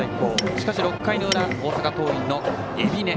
しかし６回の裏大阪桐蔭の海老根。